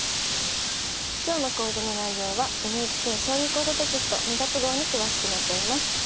今日の講座の内容はＮＨＫ「将棋講座」テキスト２月号に詳しく載っています。